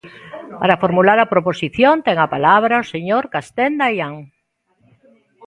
Para formular a proposición ten a palabra o señor Castenda Aián.